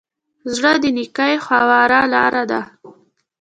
زړه د نېکۍ هواره لاره ده.